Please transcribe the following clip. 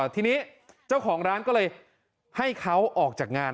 ทีนี้เจ้าของร้านก็เลยให้เขาออกจากงาน